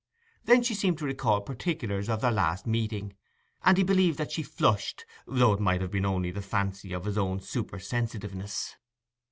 Then she seemed to recall particulars of their last meeting, and he believed that she flushed, though it might have been only the fancy of his own supersensitivenesss.